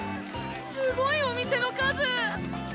すごいお店の数！